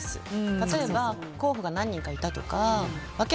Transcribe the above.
例えば、候補が何人かいたとか。